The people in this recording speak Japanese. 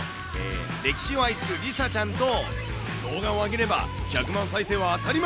歴史を愛するりさちゃんと、動画を上げれば１００万再生は当たり前。